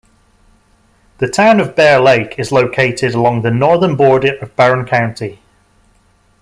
The town of Bear Lake is located along the northern border of Barron County.